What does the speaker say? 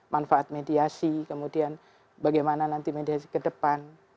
manfaat mediasi kemudian bagaimana nanti mediasi ke depan